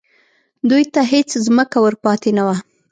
دوی ته هېڅ ځمکه ور پاتې نه وه